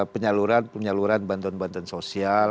penyaluran penyaluran bantuan bantuan sosial